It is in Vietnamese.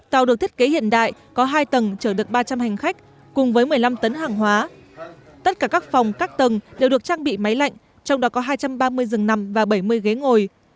tàu được thiết kế hiện đại có hai tầng chở được ba trăm linh hành khách cùng với một mươi năm tấn hàng hóa tất cả các phòng các tầng đều được trang bị máy lạnh trong đó có hai trăm ba mươi rừng nằm và bảy mươi ghế ngồi